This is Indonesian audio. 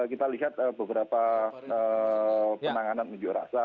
kita lihat beberapa penanganan unjuk rasa